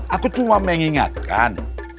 aku cuma mengingatkan